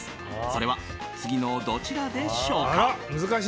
それは次のどちらでしょうか？